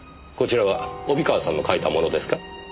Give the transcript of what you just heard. こちらは帯川さんの書いたものですか？